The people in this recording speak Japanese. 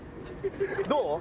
どう？